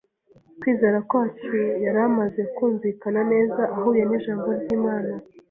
kwizera kwacu yari amaze kumvikana neza ahuye n’ijambo ry’Imana